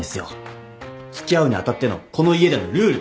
付き合うに当たってのこの家でのルール。